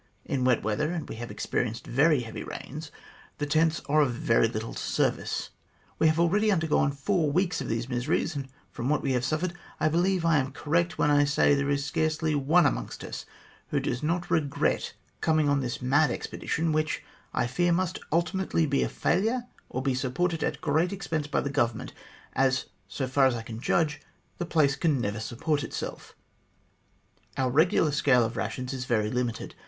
In wet weather (and we have experienced very heavy rains) the tents are of very little service. We have already undergone four weeks of these miseries, and from what we have suffered, I believe I am correct when I say that there is scarcely one amongst us who does not regret coming on this mad expedition, which, I fear, must ultimately be a failure, or be supported at great expense by the Government, as, so far as I can judge, the place can never support itself. " Our regular scale of rations is very limited.